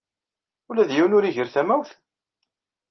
Ula d yiwen ur igir tamawt?